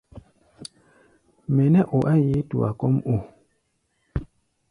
Mɛ nɛ́ o á yeé tua kɔ́ʼm o?